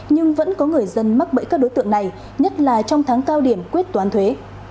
nhưng vẫn có người dân mắc bẫy các đối tượng này nhất là trong tháng cao điểm quyết toán thuế